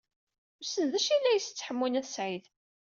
Wissen d acu i la isett Ḥemmu n At Sɛid.